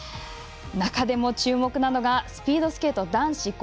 中でも注目なのがスピードスケート男子５００ｍ。